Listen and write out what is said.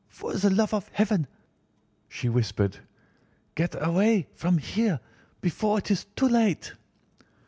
'For the love of Heaven!' she whispered, 'get away from here before it is too late!